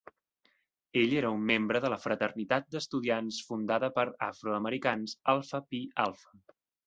Ell era un membre de la fraternitat d'estudiants fundada per afroamericans Alpha Phi Alpha.